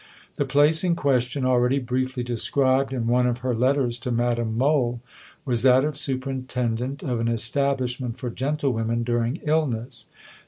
The place in question, already briefly described in one of her letters to Madame Mohl, was that of Superintendent of an "Establishment for Gentlewomen during Illness."